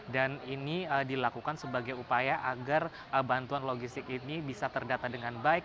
dan ini dilakukan sebagai upaya agar bantuan logistik ini bisa terdata dengan baik